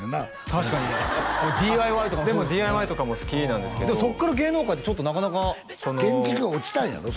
確かにＤＩＹとかでもＤＩＹとかも好きなんですけどそっから芸能界ってちょっとなかなか建築落ちたんやろ？